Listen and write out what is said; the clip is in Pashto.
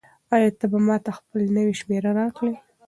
آیا ته به ماته خپله نوې شمېره راکړې؟